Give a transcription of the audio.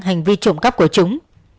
hành vi trộm cắp của chúng